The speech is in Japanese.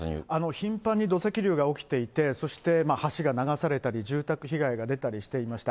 頻繁に土石流が起きていて、そして、橋が流されたり、住宅被害が出たりしていました。